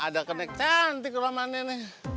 ada kenek cantik rumahnya neng